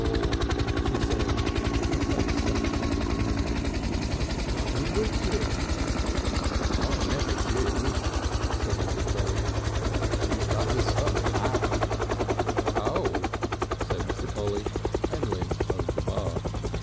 "Law!" she said, her face softening with relief, "I thought you were Jim." "I'm never Jim," said Mr. Polly. "You've got his sort of hat." "Ah!" said Mr. Polly, and leant over the bar.